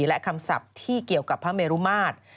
และคำศัพท์ที่เกี่ยวกับพระเมรุมาตร